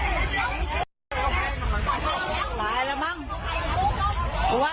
ไม่ต้องเรียก